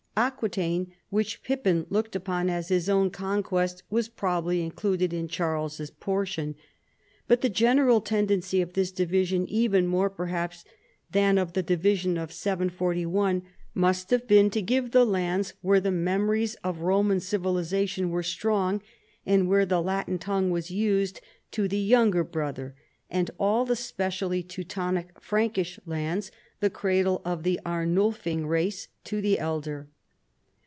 Aquitaine, which Pippin looked upon as his own conquest, was probably included in Charles's por tion. But the general tendency of this division, even more perhaps than of the division of 741, must have been to give the lands wliere the memories of Horaan civilization were strong and where the Latin tongue was used, to the younger brother, and all the specially Teutonic, Frankish lands, the cradle of the ArnulHng race, to the elder.